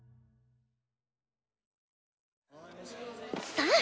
さあ！